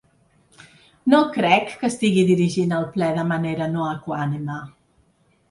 No crec que estigui dirigint el ple de manera no equànime.